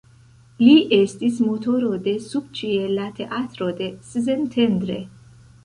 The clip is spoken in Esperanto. Li estis motoro de subĉiela teatro de Szentendre.